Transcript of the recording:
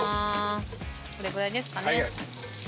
これぐらいですかね。